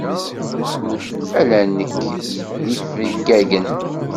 Ala nekk d yifeggagen.